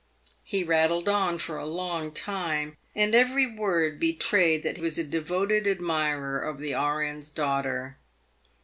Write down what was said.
He rattled on for a long time, and every word betrayed that he was a devoted admirer of the E.N's. daughter.